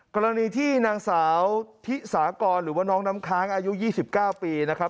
กรณีที่นางสาวทิสากรหรือว่าน้องน้ำค้างอายุ๒๙ปีนะครับ